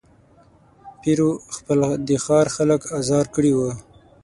پیرو خپل د ښار خلک آزار کړي وه.